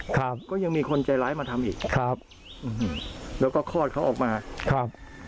ครับก็ยังมีคนใจร้ายมาทำอีกครับอืมแล้วก็คลอดเขาออกมาครับ